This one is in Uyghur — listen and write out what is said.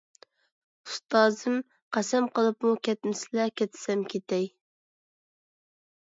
ئۇستازىم، قەسەم قىلىپمۇ كەتمىسىلە، كەتسەم كېتەي.